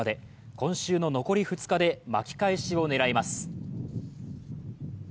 今週の残り２日で巻き返しを狙います。